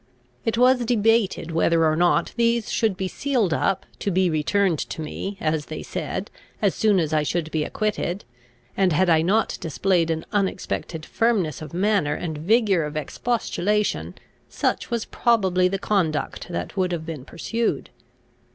It was debated whether or not these should be sealed up, to be returned to me, as they said, as soon as I should be acquitted; and had I not displayed an unexpected firmness of manner and vigour of expostulation, such was probably the conduct that would have been pursued.